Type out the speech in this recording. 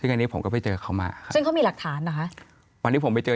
อันนี้ผมก็ไปเจอเขามา